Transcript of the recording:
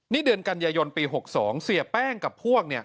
นี่เดือนกันยายนปี๖๒เสียแป้งกับพวก